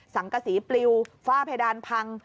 กษีปลิวฝ้าเพดานพัง